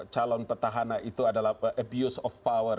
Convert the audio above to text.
calon petahana itu adalah abuse of power